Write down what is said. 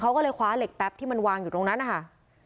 เขาก็เลยคว้าเหล็กแป๊บที่มันวางอยู่ตรงนั้นนะคะ